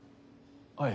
はい。